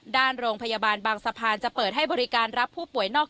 โรงพยาบาลบางสะพานจะเปิดให้บริการรับผู้ป่วยนอก